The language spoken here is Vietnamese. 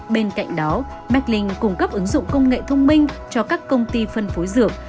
bên cạnh đó meklinh cung cấp ứng dụng công nghệ thông minh cho các công ty phân phối dược